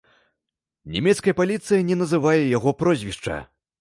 Нямецкая паліцыя не называе яго прозвішча.